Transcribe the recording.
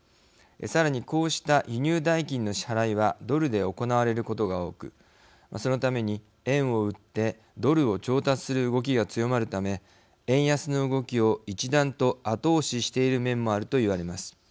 さらにこうした輸入代金の支払いはドルで行われることが多くそのために円を売ってドルを調達する動きが強まるため円安の動きを一段と後押している面もあるといわれます。